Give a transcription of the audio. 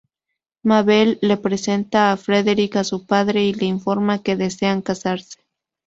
Mabel le presenta a Frederic a su padre y le informa que desean casarse.